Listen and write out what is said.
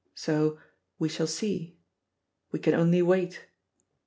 So, "We shall see." "We can only wait."